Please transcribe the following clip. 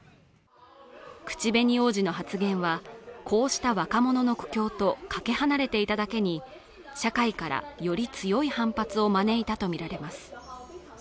口紅王子の発言はこうした若者の苦境とかけ離れていただけに社会からより強い反発を招いたと見られます